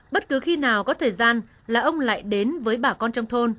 bất cứ khi nào có thời gian là ông lại đến với bà con trong thôn